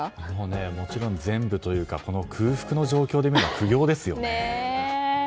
もちろん全部というか空腹の状況で見るのは苦行ですよ。